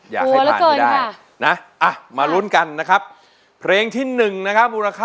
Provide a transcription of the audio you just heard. แต่หวัดเสียวสูงมากค่ะครับผมอยากให้ผ่านไปได้หัวเหลือเกินค่ะ